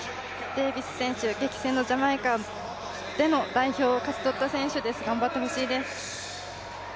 激戦のジャマイカでの代表を勝ち取った選手です、頑張ってほしいです。